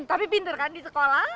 tapi pinter kan di sekolah